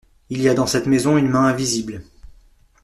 Il y a dans cette maison une main invisible !…